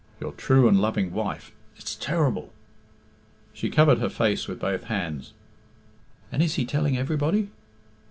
Your true and loving wife it is terrible." She covered her face with both hands. "And is he telling everybody?"